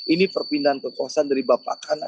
ini perpindahan kekuasaan dari bapak kan